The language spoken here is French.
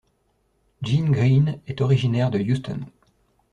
Gene Green est originaire de Houston.